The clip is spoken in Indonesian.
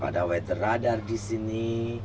ada weather radar di sini